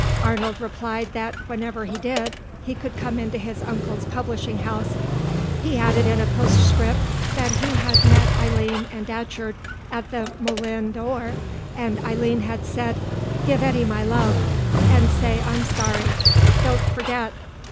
Arnold replied that whenever he did he could come into his uncle's publishing house. He added in a postscript that he had met Eileen and Datcherd at the Moulin d'Or, and Eileen had said, "Give Eddy my love, and say I'm sorry. Don't forget."